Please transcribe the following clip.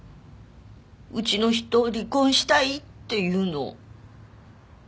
うちの人離婚したいって言うの。